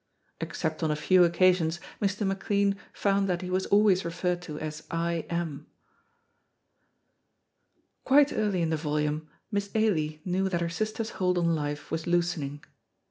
Except on a few occasions Mr. McLean found that he was always referred to as I M . Quite early in the volume Miss Ailie knew that her sister's hold on life was loosening.